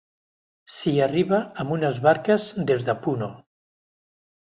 S'hi arriba amb unes barques des de Puno.